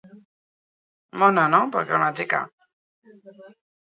Horixe da, hain zuzen, gure xedea.